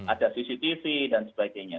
ada cctv dan sebagainya